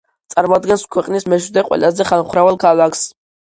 წარმოადგენს ქვეყნის მეშვიდე ყველაზე ხალხმრავალ ქალაქს.